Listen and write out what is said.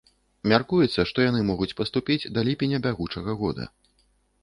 Мяркуецца, што яны могуць паступіць да ліпеня бягучага года.